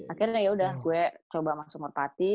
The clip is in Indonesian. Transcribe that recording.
akhirnya yaudah gue coba masuk merpati